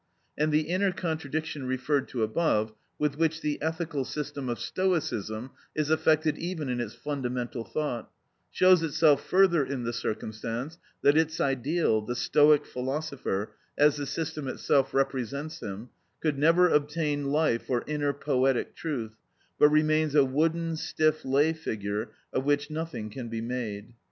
And the inner contradiction referred to above, with which the ethical system of Stoicism is affected even in its fundamental thought, shows itself further in the circumstance that its ideal, the Stoic philosopher, as the system itself represents him, could never obtain life or inner poetic truth, but remains a wooden, stiff lay figure of which nothing can be made.